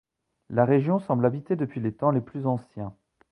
La région semble habitée depuis les temps les plus anciens.